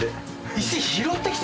石拾ってきて！？